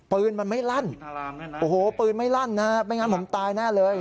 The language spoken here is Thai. ปืนมันไม่ลั่นโอ้โหปืนไม่ลั่นนะฮะไม่งั้นผมตายแน่เลย